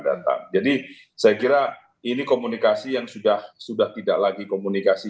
datang jadi saya kira ini komunikasi yang sudah sudah tidak lagi komunikasi